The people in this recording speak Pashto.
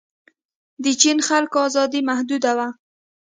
د چین خلکو ازادي محدوده ده.